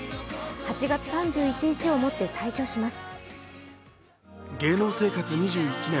８月３１日をもって退所します。